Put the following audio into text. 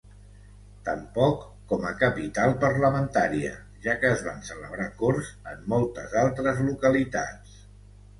Tampoc com a capital parlamentària, ja que es van celebrar Corts en moltes altres localitats.